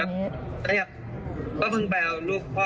ใช่ครับก็พึงไปเอาลูกพ่อ